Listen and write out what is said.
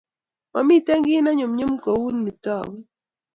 Mamito kiy ne nyumnyum kou ne tagu